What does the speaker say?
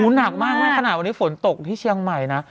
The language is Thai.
หนักมากขนาดวันนี้ฝนตกที่เชียงใหม่นะ